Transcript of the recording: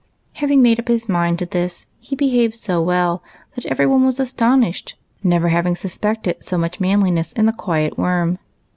Having made up his mind to this, he behaved so well that every one was astonished, never having suspected so much manliness in the quiet Worm.